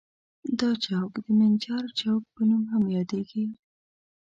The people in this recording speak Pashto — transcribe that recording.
دا چوک د منجر چوک په نوم هم یادیږي.